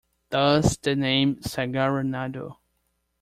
Thus the name Sagara Nadu.